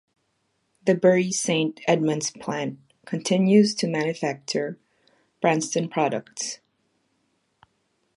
The Bury Saint Edmunds plant continues to manufacture Branston products.